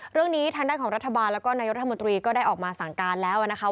เรื่องนี้ทางด้านของรัฐบาลแล้วก็นายกรัฐมนตรีก็ได้ออกมาสั่งการแล้วนะคะ